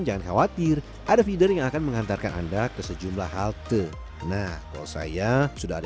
jangan khawatir ada feeder yang akan mengantarkan anda ke sejumlah halte nah kalau saya sudah ada